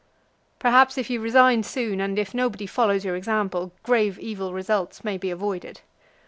"Perhaps if you resign soon, and if nobody follows your example, grave evil results may be avoided."